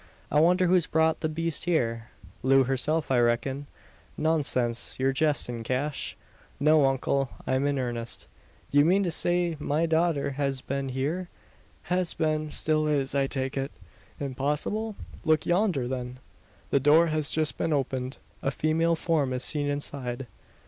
"I wonder who's brought the beast here?" "Loo herself, I reckon." "Nonsense! You're jesting, Cash?" "No, uncle; I'm in earnest." "You mean to say my daughter has been here?" "Has been still is, I take it." "Impossible?" "Look yonder, then!" The door has just been opened. A female form is seen inside.